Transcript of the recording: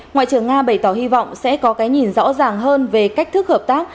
ngoại trưởng nga bày tỏ hy vọng sẽ có cái nhìn rõ ràng hơn về cách thức hợp tác